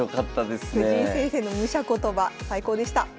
藤井先生の武者言葉最高でした。